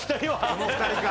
あの２人か。